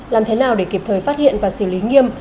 làm thế nào để kịp thời phát hiện và xử lý nghiêm